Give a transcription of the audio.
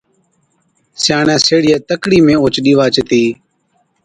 سِياڻي سيهڙِِيئَي تڪڙِي ۾ اوهچ ڏِيوا چتِي،